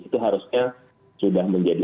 itu harusnya sudah menjadi